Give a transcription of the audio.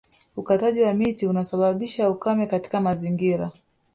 Ukataji wa miti unasababisha ukame katika mazingira